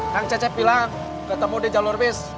kang cecep bilang ketemu di jalur bus